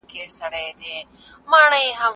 د نکاح د ختمېدو بل سبب څه سی دی؟